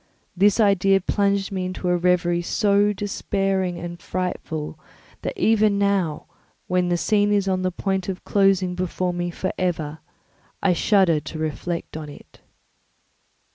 This idea plunged me into a reverie so despairing and frightful that even now, when the scene is on the point of closing before me for ever, I shudder to reflect on it.